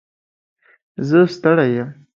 زه ستړی یم.